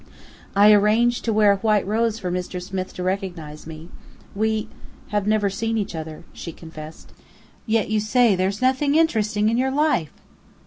"I arranged to wear a white rose for Mr. Smith to recognize me. We have never seen each other," she confessed. "Yet you say there's nothing interesting in your life!"